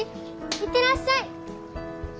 行ってらっしゃい！